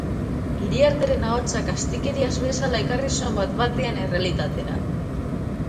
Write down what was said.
Iriarteren ahotsak aztikeriaz bezala ekarri zuen bat-batean errealitatera.